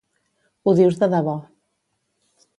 Ho dius de debò.